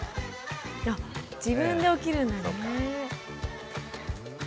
あっ自分で起きるんだねぇ。